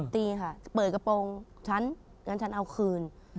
ตีค่ะเปิดกระโปรงฉันงั้นฉันเอาคืน